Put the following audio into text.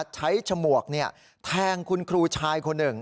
ฉมวกแทงคุณครูชายคนหนึ่ง